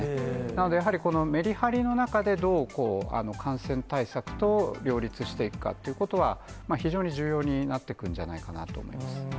なので、やはりこのメリハリの中で、どう感染対策と両立していくかということは、非常に重要になってくるんじゃないかなと思います。